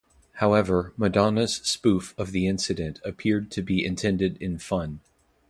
However, Madonna's spoof of the incident appeared to be intended in fun.